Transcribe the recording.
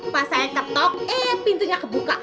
pas saya ketok eh pintunya kebuka